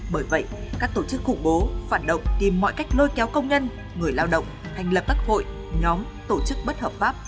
bởi vậy các tổ chức khủng bố phản động tìm mọi cách lôi kéo công nhân người lao động thành lập các hội nhóm tổ chức bất hợp pháp